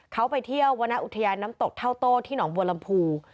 เขาไปเที่ยววรรณอุทยานน้ำตกเท่าโต้ที่หนองบัวลำพู